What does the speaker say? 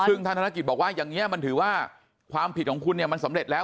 ซึ่งท่านธนกิจบอกว่าอย่างนี้มันถือว่าความผิดของคุณเนี่ยมันสำเร็จแล้ว